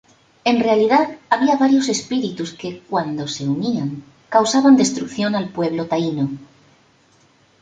En realidad, había varios espíritus que, cuando se unían, causaban destrucción al pueblo taíno.